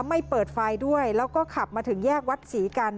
ไม่เปิดไฟด้วยแล้วก็ขับมาถึงแยกวัดศรีกัน